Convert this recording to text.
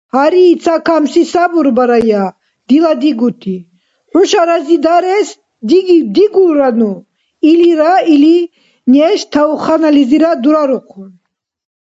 – Гьари, цакамси сабурбарая, дила дигути, хӀуша разидарес дигулрану, – илира или, неш тавханализирад дурарухъун.